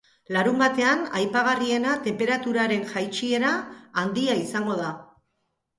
Larunbatean aipagarriena tenperaturaren jaitsiera handia izango da.